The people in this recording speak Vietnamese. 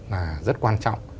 là rất quan trọng